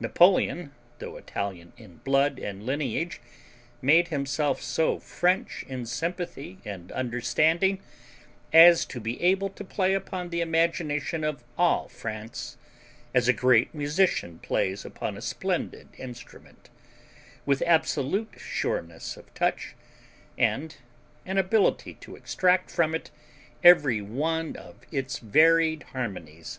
Napoleon, though Italian in blood and lineage, made himself so French in sympathy and understanding as to be able to play upon the imagination of all France as a great musician plays upon a splendid instrument, with absolute sureness of touch and an ability to extract from it every one of its varied harmonies.